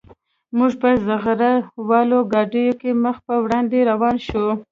موږ په زغره والو ګاډو کې مخ په وړاندې روان وو